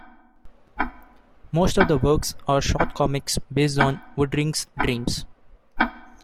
Most of the works are short comics based on Woodring's dreams.